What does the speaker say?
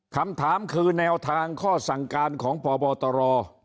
คำถามคือแนวทางข้อสั่งการของพบตร